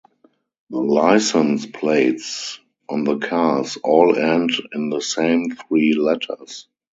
The license plates on the cars all end in the same three letters.